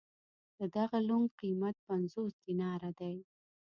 د دغه لنګ قېمت پنځوس دیناره دی.